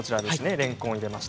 れんこんを入れました。